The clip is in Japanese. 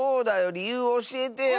りゆうをおしえてよ！